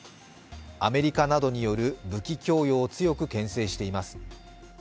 アメリカなどによる武器供与を強くけん制しています。